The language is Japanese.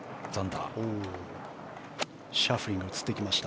シャフリーが映ってきました。